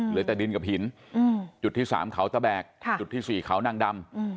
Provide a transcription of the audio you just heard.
เหลือแต่ดินกับหินจุดที่๓เขาตะแบกจุดที่๔เขานางดำ